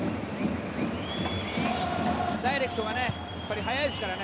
ダイレクトが速いですからね。